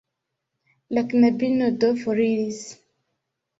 La knabino do foriris.